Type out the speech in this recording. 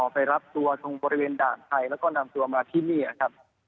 ไปรับตัวตรงบริเวณด่านไทยแล้วก็นำตัวมาที่นี่นะครับ